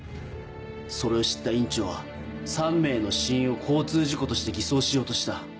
それを知った院長は３名の死因を交通事故として偽装しようとした。